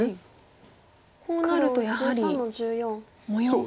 こうなるとやはり模様が。